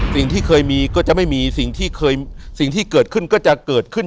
สิ่งที่เคยมีก็จะไม่มีสิ่งที่เกิดขึ้นก็จะเกิดขึ้น